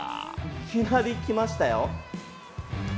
いきなり来ましたよ。